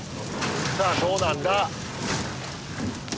さあどうなんだ？